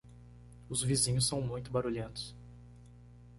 Os vizinhos são muito barulhentos.